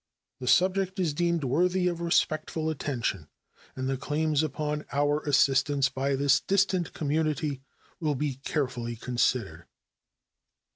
The subject is deemed worthy of respectful attention, and the claims upon our assistance by this distant community will be carefully considered.